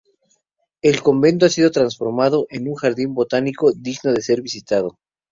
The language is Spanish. El convento ha sido transformado en un jardín botánico digno de ser visitado.